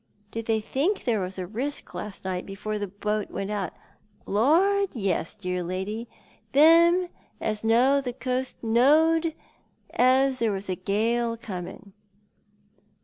" Did they think there was a risk — last night — before the boat went out ?" "Lor, yes, dear lady; them as know the coast knowed as there was a gale coming."